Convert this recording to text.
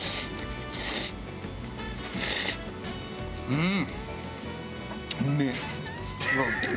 うん！